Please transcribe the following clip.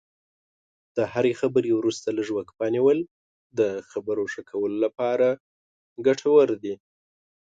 د هرې خبرې وروسته لږه وقفه نیول د خبرو ښه کولو لپاره ګټور دي.